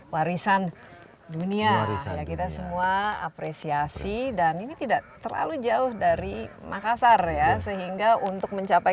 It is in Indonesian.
warisan dunia ya kita semua apresiasi dan ini tidak terlalu jauh dari makassar ya sehingga untuk mencapai